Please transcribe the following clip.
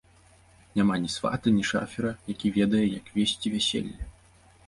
Няма ні свата, ні шафера, які ведае, як весці вяселле.